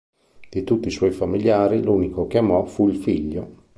Di tutti i suoi familiari l'unico che amò fu il figlio.